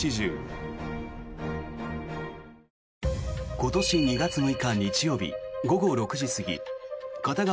今年２月６日、日曜日午後６時過ぎ片側